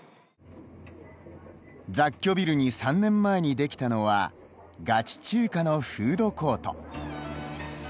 雑居ビルに３年前にできたのはガチ中華のフードコート。